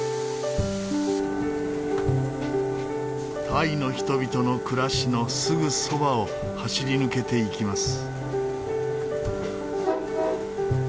タイの人々の暮らしのすぐそばを走り抜けていきます。